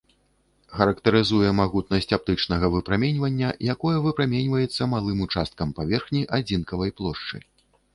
Характарызуе магутнасць аптычнага выпраменьвання, якое выпраменьваецца малым участкам паверхні адзінкавай плошчы.